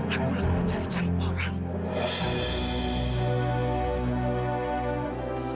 aku lalu mencari cari orang